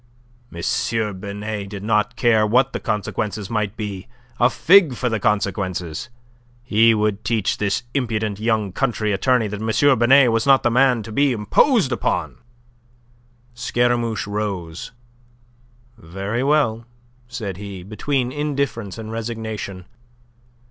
M. Binet did not care what the consequences might be. A fig for the consequences! He would teach this impudent young country attorney that M. Binet was not the man to be imposed upon. Scaramouche rose. "Very well," said he, between indifference and resignation.